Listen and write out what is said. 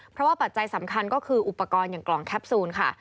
เพราะว่าปัจจัยสำคัญก็คืออุปกรณ์อย่างกล่องแคปซูลค่ะ